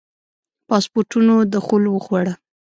پاسپورټونو دخول وخوړه.